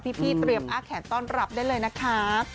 พี่เตรียมอ้าแขนต้อนรับได้เลยนะคะ